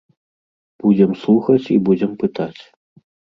Будзем слухаць і будзем пытаць.